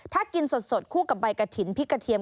ถ้ากินสดคู่กับใบกระถิ่นพริกกระเทียม